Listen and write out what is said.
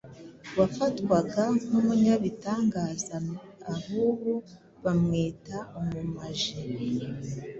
wafatwaga nk’umunyabitangaza ab’ubu bamwita umumaji.